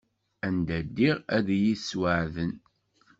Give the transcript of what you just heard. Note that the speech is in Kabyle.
Anda ddiɣ ad yi-yesweεden.